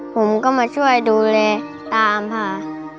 ผมก็มาช่วยดูแลตามค่ะ